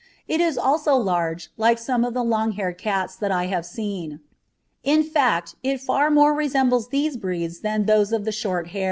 It is also large, like some of the "long haired" cats that I have seen; in fact, it far more resembles these breeds than those of the short hair.